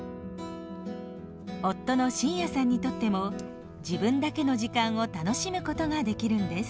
夫の晋哉さんにとっても自分だけの時間を楽しむことができるんです。